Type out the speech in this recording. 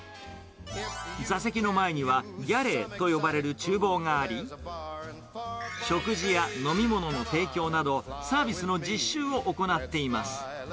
座席の前にはギャレーと呼ばれるちゅう房があり、食事や飲み物の提供など、サービスの実習を行っています。